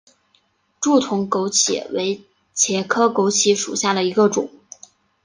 柱筒枸杞为茄科枸杞属下的一个种。